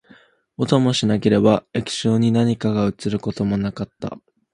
音もしなければ、液晶に何かが写ることもなかった